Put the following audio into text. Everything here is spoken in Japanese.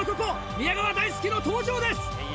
宮川大輔の登場です！